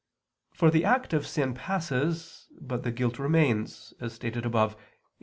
'" For the act of sin passes, but the guilt remains, as stated above (Q.